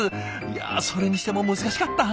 いやそれにしても難しかった。